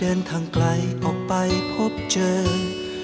และเส้นก๋วยเตี๋ยวตรากิเลนคู่